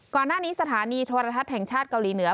ก่อนหน้านี้สถานีโทรทัศน์แห่งชาติเกาหลีเหนือ